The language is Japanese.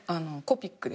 コピック！？